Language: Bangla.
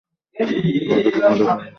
আমাদের রোমা দেখা হয়েছিল।